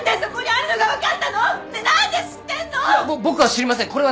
僕は知りません！